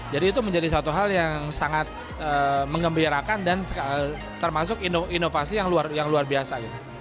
jadi itu menjadi satu hal yang sangat mengembirakan dan termasuk inovasi yang luar biasa